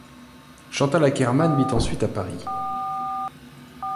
Chantal Akerman vit ensuite à Paris.